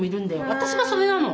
私がそれなの。